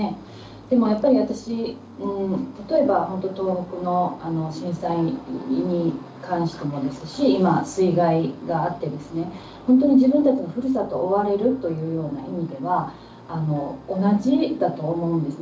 でもやっぱり私、例えば東北の震災に関してもそうですし、水害があって、本当に自分たちのふるさとを追われるというような意味では、同じだと思うんですね。